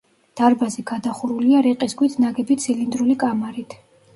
დარბაზი გადახურულია რიყის ქვით ნაგები ცილინდრული კამარით.